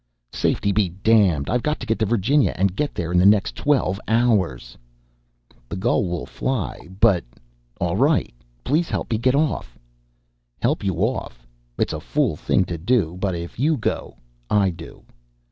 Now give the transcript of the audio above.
"Safety be damned! I've got to get to Virginia, and get there in the next twelve hours!" "The Gull will fly, but " "All right. Please help me get off!" "Help you off? It's a fool thing to do! But if you go, I do!"